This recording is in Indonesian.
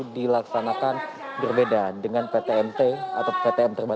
dilaksanakan berbeda dengan ptmt atau ptm terbatas